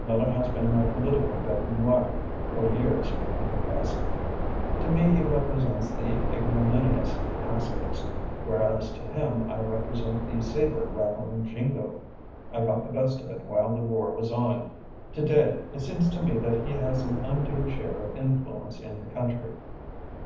"Miller has been my political bête noir for years," he confessed. "To me he represents the ignominious pacifist, whereas to him I represent the sabre rattling jingo. I got the best of it while the war was on. To day it seems to me that he has an undue share of influence in the country."